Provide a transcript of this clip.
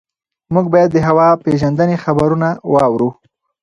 موږ باید د هوا پېژندنې خبرونه واورو.